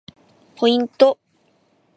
ポイント